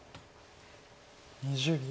２０秒。